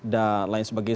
dan lain sebagian